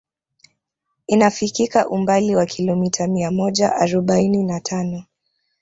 Inafikika umbali wa kilomita mia moja arobaini na tano